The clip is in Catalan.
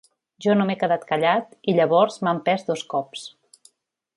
Jo no m’he quedat callat i llavors m’ha empès dos cops.